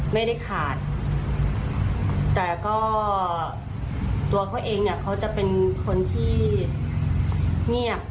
ไม่ได้ขาดแต่ก็ตัวเขาเองเนี่ยเขาจะเป็นคนที่เงียบ